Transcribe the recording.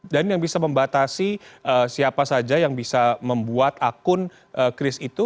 dan yang bisa membatasi siapa saja yang bisa membuat akun qris itu